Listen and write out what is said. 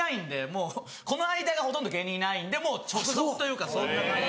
もうこの間がほとんど芸人いないんでもう直属というかそんな感じ。